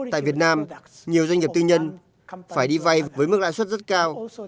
tại việt nam nhiều doanh nghiệp tư nhân phải đi vay với mức lãi suất rất cao